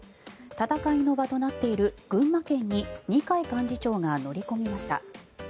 戦いの場となっている群馬県に二階幹事長が乗り込みました。